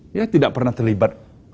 dia tidak pernah terlibat